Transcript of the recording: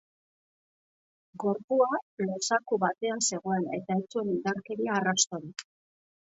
Gorpua lozaku batean zegoen eta ez zuen indarkeria arrastorik.